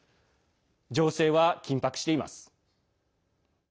情勢は緊迫しています。